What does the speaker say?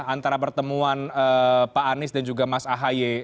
antara pertemuan pak anies dan juga mas ahy